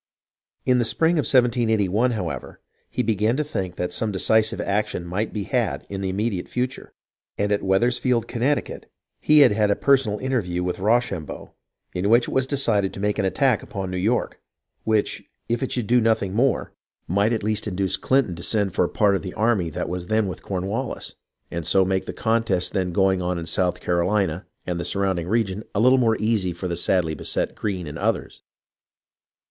In the spring of 1781, however, he began to think that some decisive action might be had in the immediate future ; and at Wethers field, Connecticut, he had had a personal interview with Rochambeau, in which it was decided to make an attack upon New York ; which, if it should do nothing more, 369 370 HISTORY OF THE AMERICAN REVOLUTION might at least induce Clinton to send for a part of the army that was then with Cornwallis, and so make the contest then going on in South Carolina and the sur rounding region a little more easy for the sadly beset Greene and others.